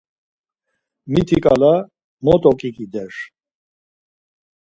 Mitiǩala mot oǩiǩider!